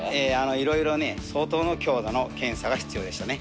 いろいろね、相当な強度の検査が必要でしたね。